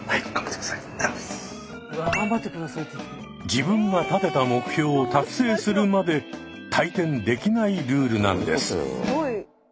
自分が立てた目標を達成するまで退店できないルールなんです。